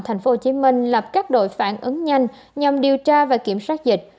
tp hcm lập các đội phản ứng nhanh nhằm điều tra và kiểm soát dịch